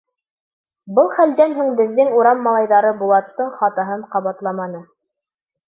Был хәлдән һуң беҙҙең урам малайҙары Булаттың хатаһын ҡабатламаны.